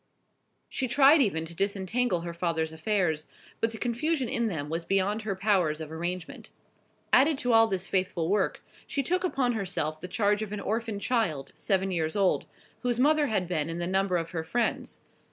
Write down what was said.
She tried even to disentangle her father's affairs; but the confusion in them was beyond her powers of arrangement. Added to all this faithful work, she took upon herself the charge of an orphan child, seven years old, whose mother had been in the number of her friends.